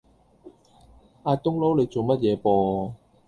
挨冬撈你做乜嘢啵